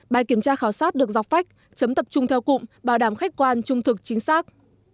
bài kiểm tra khảo sát được dọc phách chấm tập trung theo cụm bảo đảm khách quan trung thực chính xác